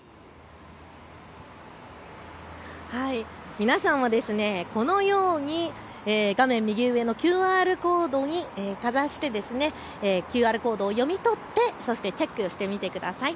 皆さんもこのように画面右上のＱＲコードにかざしてＱＲコードを読み取ってそしてチェックしてみてください。